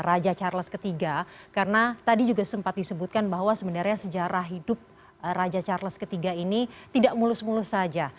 raja charles iii karena tadi juga sempat disebutkan bahwa sebenarnya sejarah hidup raja charles iii ini tidak mulus mulus saja